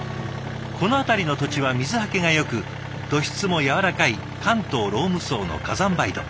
この辺りの土地は水はけがよく土質も軟らかい関東ローム層の火山灰土。